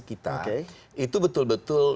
kita itu betul betul